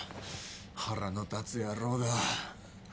腹の立つ野郎だ。